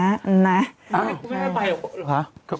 นี่กูไม่ได้ไปหรือเปล่า